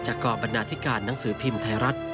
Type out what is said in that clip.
กองบรรณาธิการหนังสือพิมพ์ไทยรัฐ